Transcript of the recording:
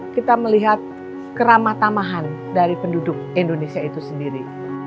kita melihat keramatamahan dari penduduk indonesia itu sendiri